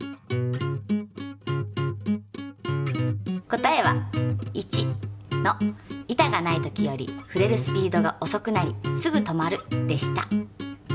答えは１の「板がない時より振れるスピードが遅くなりすぐ止まる」でした。